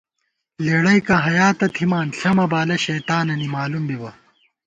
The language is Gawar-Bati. لېڑَئیکاں حیا تہ تھِمان، ݪمہ بالہ شیطانی مالُوم بِبہ